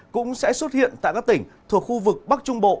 cũng sẽ xuất hiện tại các tỉnh thuộc khu vực bắc trung bộ